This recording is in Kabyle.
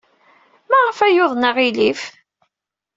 Maɣef ay yuḍen aɣilif?